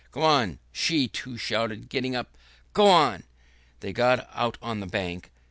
"Go on!" she, too, shouted, getting up. "Go on!" They got out on the bank.